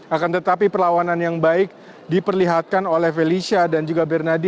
akan tetapi perlawanan yang baik diperlihatkan oleh felicia dan juga bernardi